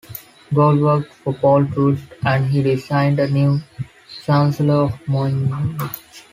Gall worked for Paul Troost and he designed a new chancellery for Munich.